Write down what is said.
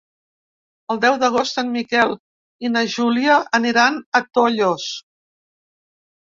El deu d'agost en Miquel i na Júlia aniran a Tollos.